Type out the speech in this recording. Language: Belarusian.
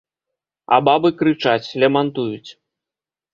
А бабы крычаць, лямантуюць.